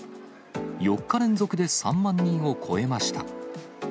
４日連続で３万人を超えました。